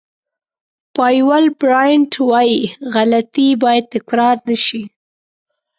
پایول براینټ وایي غلطۍ باید تکرار نه شي.